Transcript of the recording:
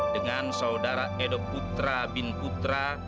dengan saudara edo putra bin putra